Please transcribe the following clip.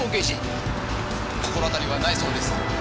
心当たりはないそうです。